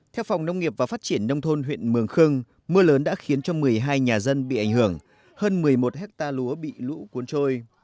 theo phòng nông nghiệp và phát triển nông thôn huyện mường khương mưa lớn đã khiến cho một mươi hai nhà dân bị ảnh hưởng hơn một mươi một hectare lúa bị lũ cuốn trôi